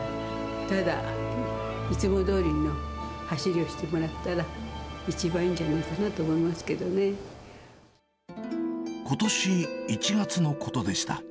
ただ、いつもどおりの走りをしてもらったら一番いいんじゃないかなと思ことし１月のことでした。